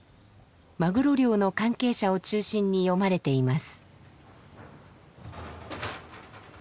マグロ漁の関係者を中心に読まれています。